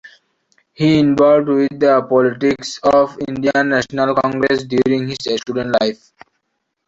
He involved with the politics of Indian National Congress during his student life.